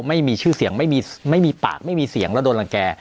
ไม่มีชื่อเสียงไม่มีปากไม่มีเสียงแล้วโดนรังแก่